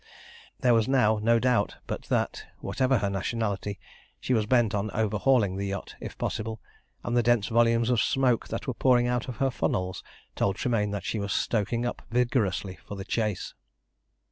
There was now no doubt but that, whatever her nationality, she was bent on overhauling the yacht, if possible, and the dense volumes of smoke that were pouring out of her funnels told Tremayne that she was stoking up vigorously for the chase.